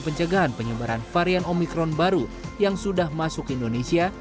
penyegahan penyebaran varian omikron baru yang sudah masuk indonesia